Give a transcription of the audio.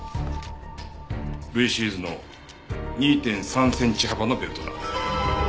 ルイシーズの２．３センチ幅のベルトだ。